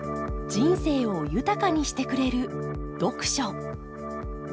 人生を豊かにしてくれる読書。